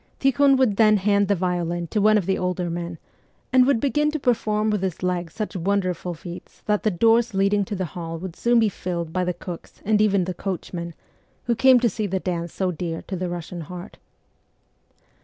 Tikhon would then hand the violin to one of the older men, and would begin to perform with his legs such wonderful feats that the doors leading to the hall would soon be filled by the cooks and even the coachmen, who came to see the dance so dear to the Russian heart.